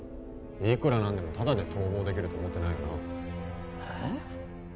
いくら何でもタダで逃亡できると思ってないよなああ？